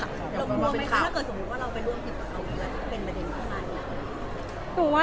ถ้าเกิดสมมุติว่าเราไปร่วมกับพี่เวียก็เป็นประเด็นอะไร